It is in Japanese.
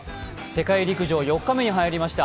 世界陸上４日目に入りました。